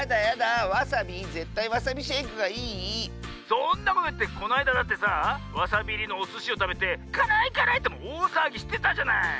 そんなこといってこないだだってさあわさびいりのおすしをたべて「からいからい！」っておおさわぎしてたじゃない。